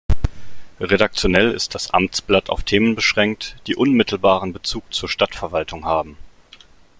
Redaktionell ist das Amtsblatt auf Themen beschränkt, die unmittelbaren Bezug zur Stadtverwaltung haben.